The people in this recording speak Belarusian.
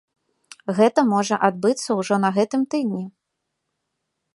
Гэта можа адбыцца ўжо на гэтым тыдні.